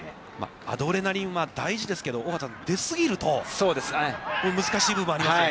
アドレナリンは大事ですけど、大畑さん、出過ぎると難しい部分がありますよね。